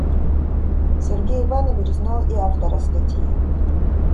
Сергей Иванович знал и автора статьи.